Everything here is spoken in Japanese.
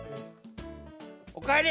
おかえり。